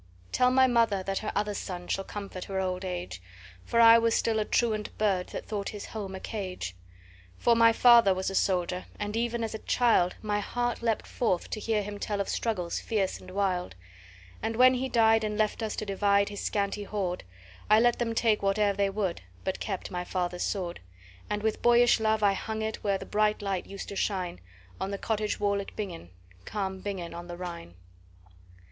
"Tell my mother that her other son shall comfort her old age; For I was still a truant bird, that thought his home a cage. For my father was a soldier, and even as a child My heart leaped forth to hear him tell of struggles fierce and wild; And when he died, and left us to divide his scanty hoard, I let them take whate'er they would, but kept my father's sword; And with boyish love I hung it where the bright light used to shine On the cottage wall at Bingen, calm Bingen on the Rhine.